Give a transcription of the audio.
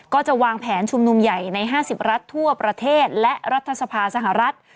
ก็จะวางแผนชุมนุมใหญ่ใน๕๐รัฐทั่วประเทศและรัฐสภาสหรัฐ